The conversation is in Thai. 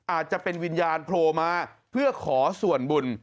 อาจจะเป็นวิญญาณโผล่มาเพื่อขอส่วนบุญ